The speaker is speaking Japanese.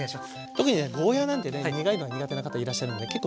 特にねゴーヤーなんてね苦いのが苦手な方いらっしゃるんで結構ね